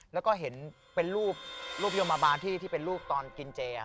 แล้วก็เห็นเป็นรูปยมบาลที่เป็นรูปตอนกินเจ